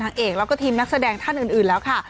เอกแล้วก็ทีมนักแสดงท่านอื่นแล้วค่ะ